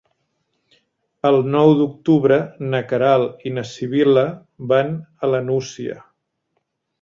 El nou d'octubre na Queralt i na Sibil·la van a la Nucia.